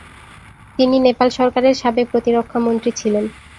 তিনি নেপাল সরকারের সাবেক প্রতিরক্ষা মন্ত্রী ছিলেন।